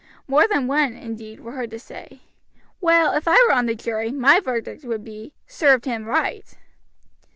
More than one, indeed, were heard to say, "Well, if I were on the jury, my verdict would be, Served him right."